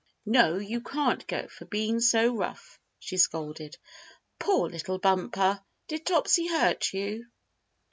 "No, you can't go for being so rough," she scolded. "Poor little Bumper, did Topsy hurt you?"